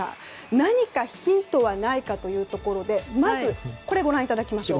何かヒントはないかというところでまず、これをご覧いただきましょう。